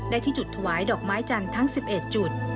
ที่จุดถวายดอกไม้จันทร์ทั้ง๑๑จุด